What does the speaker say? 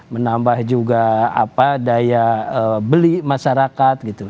menambah juga daya beli masyarakat gitu